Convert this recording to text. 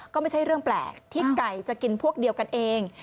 ก็ไม่ใช่เรื่องแปลกที่ไก่จะกินพวกเดียวกันเอง